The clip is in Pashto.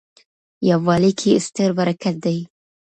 یووالي کي ستر برکت دی.